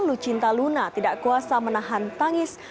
lucinta luna tidak kuasa menahan tangis